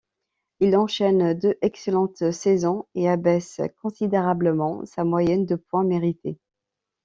Il enchaîne deux excellentes saisons et abaisse considérablement sa moyenne de points mérités.